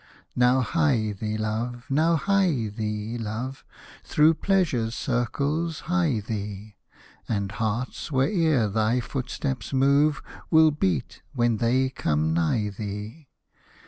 Now hie thee, love, now hie thee, love. Through Pleasure's circles hie thee. And hearts, where'er thy footsteps move. Will beat, when they come nigh thee.